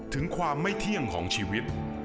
ถึงความไม่เที่ยงของชีวิต